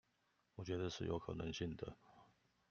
我覺得是有可能性的